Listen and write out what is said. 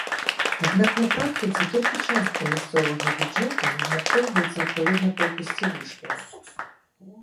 Аднак на практыцы толькі частка мясцовага бюджэту размяркоўваецца адпаведна колькасці вучняў.